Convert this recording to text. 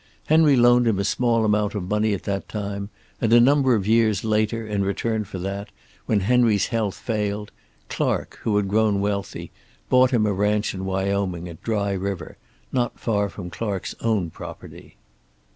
Henry loaned him a small amount of money at that time, and a number of years later in return for that, when Henry's health failed, Clark, who had grown wealthy, bought him a ranch in Wyoming at Dry River, not far from Clark's own property.